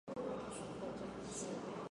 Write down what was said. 清初翰林。